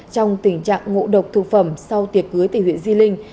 trong tình trạng ngộ độc thực phẩm sau tiệc cưới từ huyện di linh